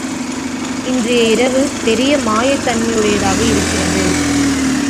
இன்றைய இரவு, பெரிய மாயத்தன்மையுடையதாக இருக்கிறது.